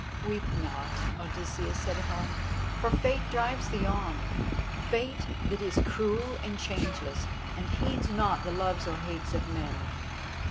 "Weep not, Odysseus," said Helen, "for Fate drives thee on—Fate that is cruel and changeless, and heeds not the loves or hates of men.